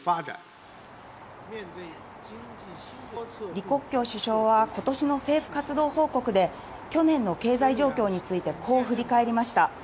リ・コッキョウ首相は今年の政府活動報告で、去年の経済状況についてこう振り返りました。